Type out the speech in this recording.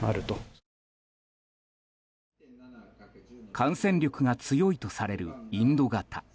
感染力が強いとされるインド型。